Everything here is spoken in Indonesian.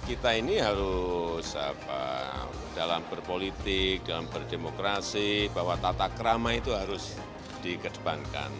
kita ini harus dalam berpolitik dalam berdemokrasi bahwa tata kerama itu harus dikedepankan